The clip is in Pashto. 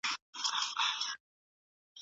شاګرد خپله مسوده استاد ته وړاندې کړه.